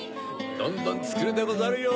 どんどんつくるでござるよ！